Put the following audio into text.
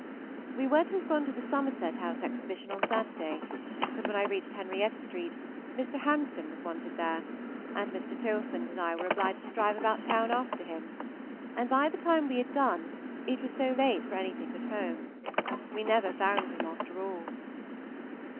We were to have gone to the Somerset House Exhibition on Saturday, but when I reached Henrietta Street Mr. Hampson was wanted there, and Mr. Tilson and I were obliged to drive about town after him, and by the time we had done it was too late for anything but home. We never found him after all.